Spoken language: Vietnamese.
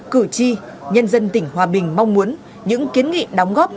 cử tri nhân dân tỉnh hòa bình mong muốn những kiến nghị đóng góp